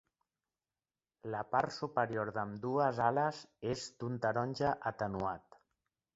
La part superior d'ambdues ales és d'un taronja atenuat.